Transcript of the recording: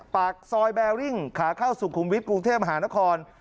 ปากซอยแบริ่งขาเข้าสุขุมวิทย์กรุงเทพมหานคร